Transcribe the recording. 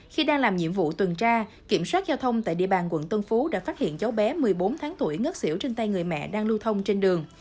khi đang làm nhiệm vụ tuần tra kiểm soát giao thông tại địa bàn quận tân phú đã phát hiện cháu bé một mươi bốn tháng tuổi ngất xỉu trên tay người mẹ đang lưu thông trên đường